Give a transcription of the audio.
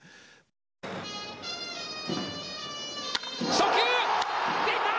初球、出た。